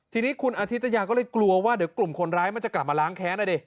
ทีนี้คุณอธิตยาก็เลยกลัวว่าเดี๋ยวกลุ่มคนร้ายมันจะกลับมาล้างแค้นอ่ะดิ